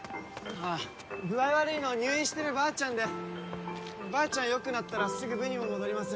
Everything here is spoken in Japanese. ああ具合悪いのは入院してるばあちゃんでばあちゃんよくなったらすぐ部にも戻ります